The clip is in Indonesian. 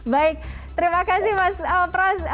baik terima kasih mas pras